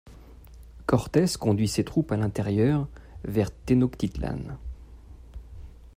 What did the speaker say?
Cortés conduit ses troupes à l'intérieur vers Tenochtitlan.